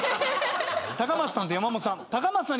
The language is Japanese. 高松さんと山本さん。